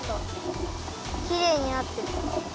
きれいになってる。